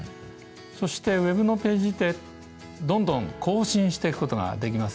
そしてＷｅｂのページってどんどん更新していくことができますよね。